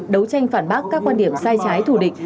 đấu tranh phản bác các quan điểm sai trái thù địch